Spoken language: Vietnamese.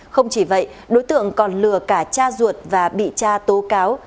không chỉ vậy đối tượng còn lừa cả cha ruột và bị cha tố cáo